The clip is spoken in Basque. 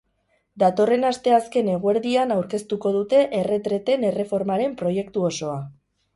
Datorren asteazken eguerdian aurkeztuko dute erretreten erreformaren proiektu osoa.